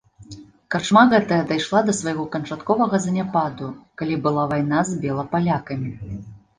Карчма гэтая дайшла да свайго канчатковага заняпаду, калі была вайна з белапалякамі.